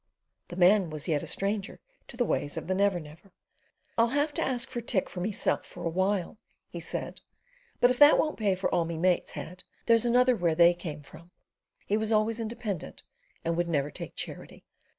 The man was yet a stranger to the ways of the Never Never. "I'll have to ask for tick for meself for awhile," he said "But if that won't pay for all me mate's had there's another where they came from. He was always independent and would never take charity."